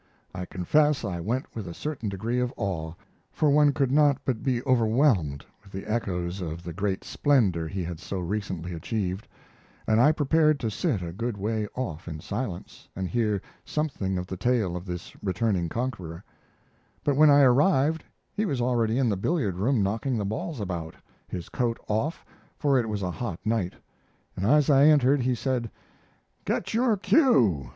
I confess I went with a certain degree of awe, for one could not but be overwhelmed with the echoes of the great splendor he had so recently achieved, and I prepared to sit a good way off in silence, and hear something of the tale of this returning conqueror; but when I arrived he was already in the billiard room knocking the balls about his coat off, for it was a hot night. As I entered he said: "Get your cue.